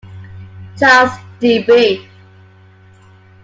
Charles D. B.